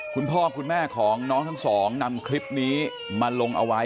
คุณพ่อคุณแม่ของน้องทั้งสองนำคลิปนี้มาลงเอาไว้